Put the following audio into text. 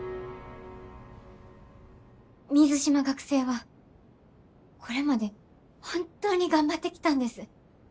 水島学生はこれまで本当に頑張ってきたんです。